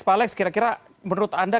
pak alex kira kira menurut anda